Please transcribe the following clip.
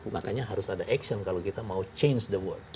makanya harus ada action kalau kita mau change the world